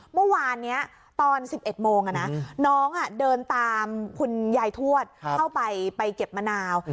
เมื่อวานนี้ตอน๑๑โมงน้องเดินตามคุณยายทวดเข้าไปไปเก็บมะนาว